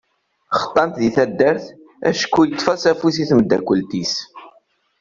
Xeṭṭan-t di taddart acku yeṭṭef-as afus i temdakelt-is.